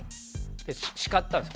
で叱ったんですよ。